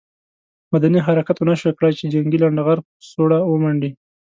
مدني حرکت ونه شو کړای چې جنګي لنډه غر په سوړه ومنډي.